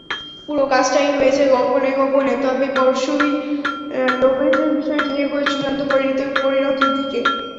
পুরো কাজটাই হয়েছে গোপনে গোপনে, তবে পরশুই লোপেজের বিষয়টি এগোয় চূড়ান্ত পরিণতির দিকে।